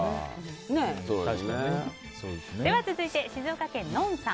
続いて、静岡県の方。